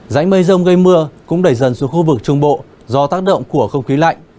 dãnh mây rông gây mưa cũng đẩy dần xuống khu vực trung bộ do tác động của không khí lạnh